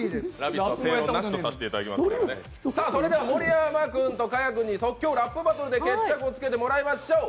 それでは盛山君と賀屋君に即興ラップバトルで決着をつけてもらいましょう。